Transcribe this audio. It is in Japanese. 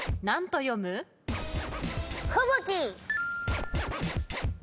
何と読む？